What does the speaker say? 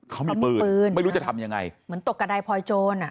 เขามีปืนปืนไม่รู้จะทำยังไงเหมือนตกกระดายพลอยโจรอ่ะ